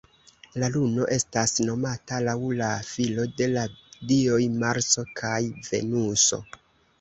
La luno estas nomata laŭ la filo de la dioj Marso kaj Venuso.